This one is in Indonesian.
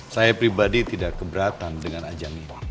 saya pribadi tidak keberatan dengan ajang ini